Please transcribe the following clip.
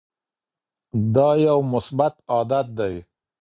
دا یو مثبت عادت دی.